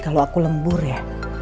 kalau aku lembur ya